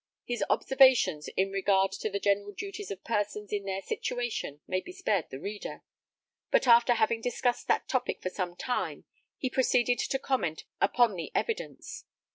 His observations in regard to the general duties of persons in their situation, may be spared the reader; but after having discussed that topic for some time, he proceeded to comment upon the evidence.